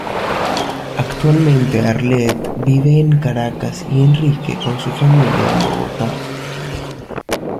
Actualmente Arlette vive en Caracas y Enrique con su familia en Bogotá.